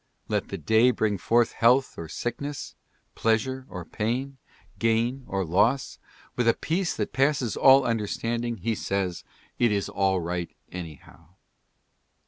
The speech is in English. Let the day bring forth health or sickness, pleasure or pain, gain or loss — with a peace that passes all understanding he says : "It is all right, anyhow."